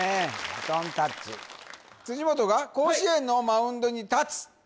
バトンタッチ辻本が「甲子園のマウンドに立つ」